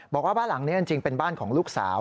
บอกว่าบ้านหลังนี้จริงเป็นบ้านของลูกสาว